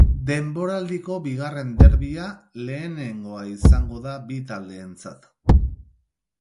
Denboraldiko bigarren derbia lehenengoa izango da bi taldeentzat.